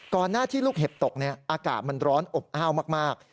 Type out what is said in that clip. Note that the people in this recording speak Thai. หน้าที่ลูกเห็บตกอากาศมันร้อนอบอ้าวมาก